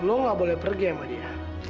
lo gak boleh pergi sama dia